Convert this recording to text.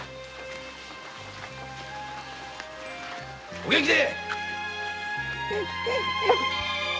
お元気で。